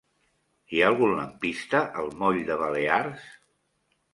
Hi ha algun lampista al moll de Balears?